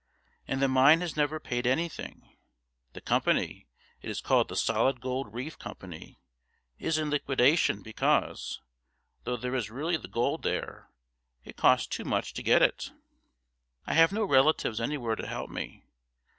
And the mine has never paid anything. The company it is called the Solid Gold Reef Company, is in liquidation because, though there is really the gold there, it costs too much to get it. I have no relatives anywhere to help me.